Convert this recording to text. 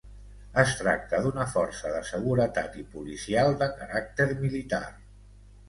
Es tracta d'una força de seguretat i policial de caràcter militar.